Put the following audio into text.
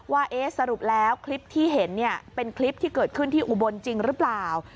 ว่าสรุปแล้วคลิปที่เห็นเป็นคลิปที่เกิดขึ้นที่อุบลจริงหรือเปล่า